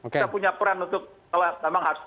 kita punya peran untuk kalau memang harus